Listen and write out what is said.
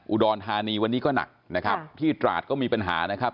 อุดรธานีวันนี้ก็หนักนะครับที่ตราดก็มีปัญหานะครับ